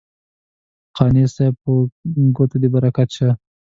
قانع صاحب په ګوتو دې برکت شه.